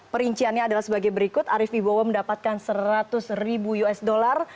perinciannya adalah sebagai berikut arief ibowo mendapatkan seratus ribu usd